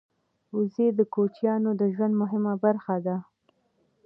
وزې د کوچیانو د ژوند مهمه برخه ده